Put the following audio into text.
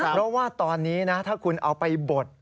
เพราะว่าตอนนี้นะถ้าคุณเอาไปบด